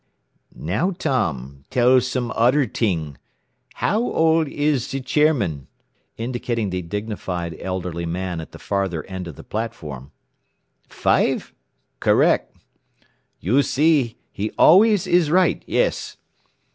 "Now Tom, tell some odder ting. How old is ze chairman?" indicating the dignified elderly man at the farther end of the platform. "Five? Correc'. "You see, he always is right, yes.